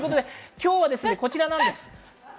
今日はこちらです。